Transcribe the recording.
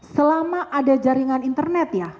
selama ada jaringan internet ya